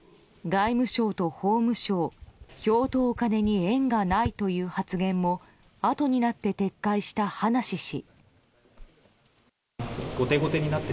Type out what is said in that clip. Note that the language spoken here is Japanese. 外務省と法務省票とお金に縁がないという発言もあとになって撤回した葉梨氏。